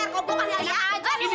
gak ada lagi